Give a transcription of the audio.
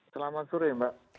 selamat sore mbak